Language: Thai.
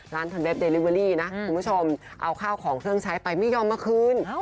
เทอร์เน็ตเดลิเวอรี่นะคุณผู้ชมเอาข้าวของเครื่องใช้ไปไม่ยอมมาคืน